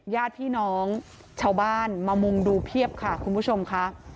ญาติพี่น้องชาวบ้านมามุงดูเพียบค่ะคุณผู้ชมค่ะ